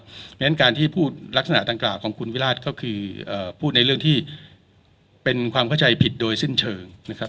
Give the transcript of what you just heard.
เพราะฉะนั้นการที่พูดลักษณะดังกล่าวของคุณวิราชก็คือพูดในเรื่องที่เป็นความเข้าใจผิดโดยสิ้นเชิงนะครับ